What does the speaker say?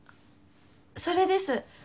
それです。